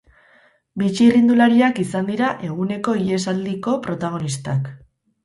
Bi txirrindulariak izan dira eguneko ihesaldiko protagonistak.